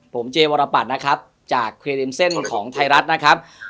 ผมเจวาระบัดนะครับจากเครดิมเซ็นต์ของไทยรัฐนะครับ